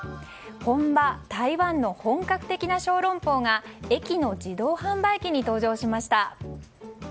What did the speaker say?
本場・台湾の本格的な小龍包が駅の自動販売機に登場しました。